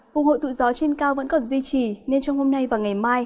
vùng hội tụ gió trên cao vẫn còn duy trì nên trong hôm nay và ngày mai